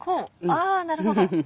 あなるほど。